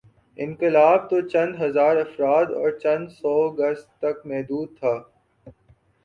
انقلاب توچند ہزارافراد اور چندسو گز تک محدود تھا۔